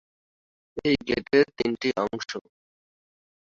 এই গেটের তিনটি অংশ।